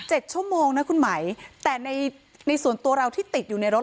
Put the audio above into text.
ชั่วโมงนะคุณไหมแต่ในในส่วนตัวเราที่ติดอยู่ในรถ